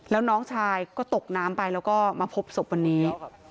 แล้วน้องชายก็ตกน้ำไปแล้วก็มาพบศพวันนี้